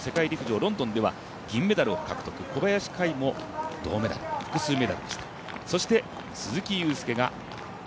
宇は１７年の世界陸上ロンドンではメダルを獲得、小林快も銅メダル複数メダル。